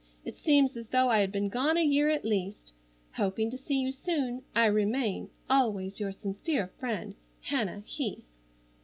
It seems as though I had been gone a year at least. Hoping to see you soon, I remain "Always your sincere friend, "HANNAH HEATH."